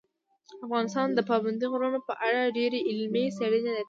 افغانستان د پابندي غرونو په اړه ډېرې علمي څېړنې لري.